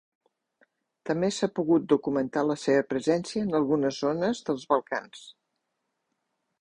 També s'ha pogut documentar la seva presència en algunes zones dels Balcans.